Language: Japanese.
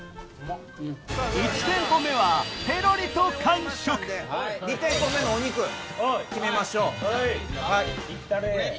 １店舗目はぺろりと２店舗目のお肉決めましょう。